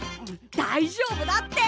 大丈夫だって！